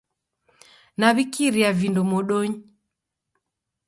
Naw'ikiria vindo modonyi